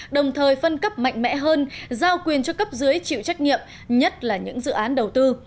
đồng thời phân cấp mạnh mẽ hơn giao quyền cho cấp dưới chịu trách nhiệm nhất là những dự án đầu tư